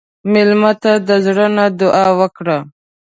مېلمه ته د زړه نه دعا وکړه.